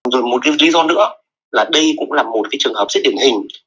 rồi một lý do nữa là đây cũng là một trường hợp rất điển hình